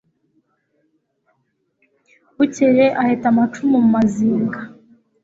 Bukeye aheta amacumu mu Mazinga